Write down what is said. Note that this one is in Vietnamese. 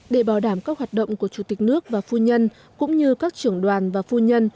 để bảo đảm các hoạt động của chủ tịch nước và phu nhân cũng như các trưởng đoàn và phu nhân